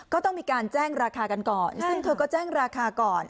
ก็ต้องมีการแจ้งราคากันก่อนซึ่งเธอก็แจ้งราคาก่อน